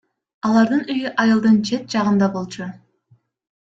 Алардын үйү айылдын чет жагында болчу.